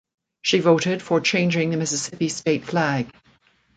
She voted for changing the Mississippi state flag.